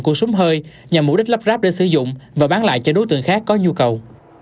của súng hơi nhằm mục đích lắp ráp để sử dụng và bán lại cho đối tượng khác có nhu cầu